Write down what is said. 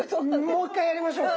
もう一回やりましょうか？